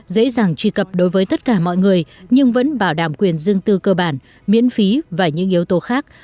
dễ dàng truy cập đối với tất cả mọi người nhưng vẫn bảo đảm quyền dương tư cơ bản miễn phí và những yếu tố khác